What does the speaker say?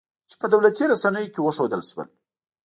چې په دولتي رسنیو کې وښودل شول